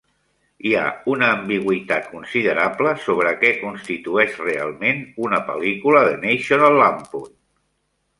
Hi ha una ambigüitat considerable sobre què constitueix realment una pel·lícula de "National Lampoon".